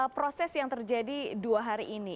proses yang terjadi dua hari ini